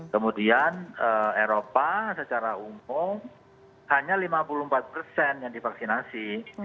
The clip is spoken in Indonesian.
kemudian eropa secara umum hanya lima puluh empat persen yang divaksinasi